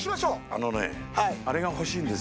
あのね、あれが欲しいんです。